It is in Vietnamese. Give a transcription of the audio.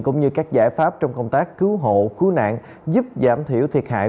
cũng như các giải pháp trong công tác cứu hộ cứu nạn giúp giảm thiểu thiệt hại